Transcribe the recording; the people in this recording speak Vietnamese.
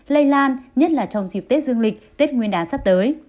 lây lan nhất là trong dịp tết dương lịch tết nguyên đán sắp tới